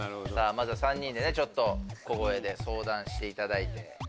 まずは３人で小声で相談していただいて。